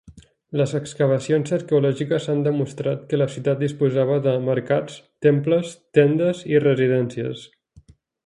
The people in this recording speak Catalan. Les excavacions arqueològiques han demostrat que la ciutat disposava de mercats, temples, tendes i residencies.